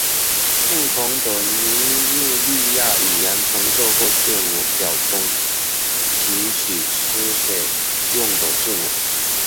不同的尼日利亚语言从这个字母表中提取书写用的字母。